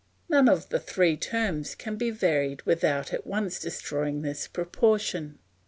None of the three terms can be varied without at once destroying this proportion.